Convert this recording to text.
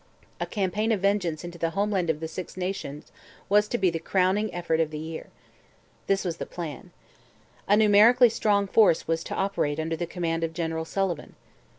A campaign of vengeance into the homeland of the Six Nations was to be the crowning effort of the year. This was the plan. A numerically strong force was to operate under the command of General Sullivan.